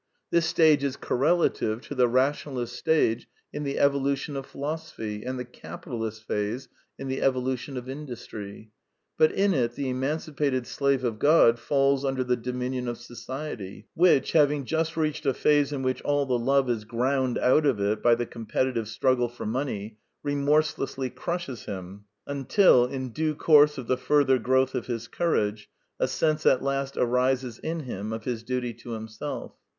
This stage is correlative to the rationalist stage in the evolution of philosophy and the capi talist phase in the evolution of industry. But in it the emancipated slave of God falls under the dominion of Society, which, having just reached a phase in which all the love is ground out of it by the competitive struggle for money, remorselessly crushes him until, in due course of the further growth of his courage, a sense at last arises in him of his duty to himself.